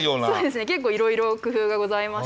結構いろいろ工夫がございまして。